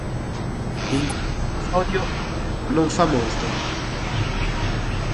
In questo episodio non fa molto.